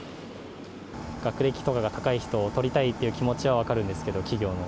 学歴とかが高い人を取りたいという気持ちは分かるんですけど、企業の。